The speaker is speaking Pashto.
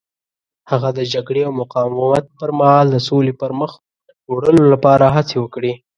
هغه د جګړې او مقاومت پر مهال د سولې پرمخ وړلو لپاره هڅې وکړې.